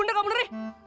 udah kaget bener